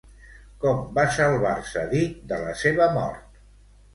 Com va salvar-se Dick de la seva mort?